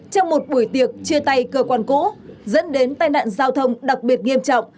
trong một buổi tiệc chia tay cơ quan cũ dẫn đến tai nạn giao thông đặc biệt nghiêm trọng